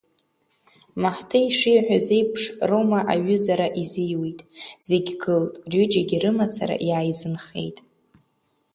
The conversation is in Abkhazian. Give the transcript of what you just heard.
Маҳҭы ишиҳәаз еиԥш, Рома аҩызара изиуит, зегь гылт, рҩыџьагьы рымацара иааизынхеит.